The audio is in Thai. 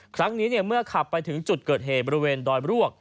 ครั้งนี้เนี่ยเมื่อขับไปถึงจุดเกิดเหบบริเวณดอยบรั่ว